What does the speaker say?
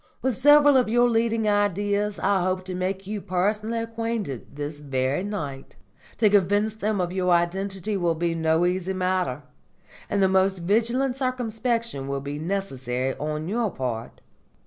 With several of your leading Ideas I hope to make you personally acquainted this very night. To convince them of your identity will be no easy matter, and the most vigilant circumspection will be necessary on your part.